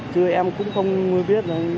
chứ em cũng không biết